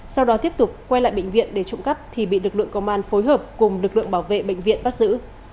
sau đó tiếp tục quay lại bệnh viện để trụng cắp thì bị lực lượng công an phối hợp cùng lực lượng bảo vệ bệnh viện bắt giữ